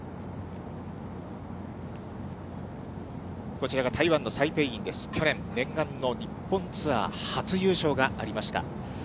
こちらが台湾のサイ・ペイイン、去年、念願の日本ツアー初優勝がありました。